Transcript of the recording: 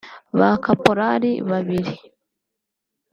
ba Kaporali (Cpl) babiri